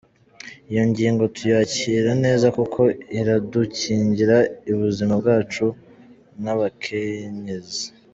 ' Iyo ngingo tuyakira neza kuko iradukingira ubuzima bwacu nk’abakenyezi.